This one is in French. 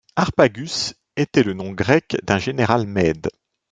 Harpagus était le nom grec d'un général Mède.